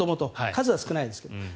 数は少ないですが。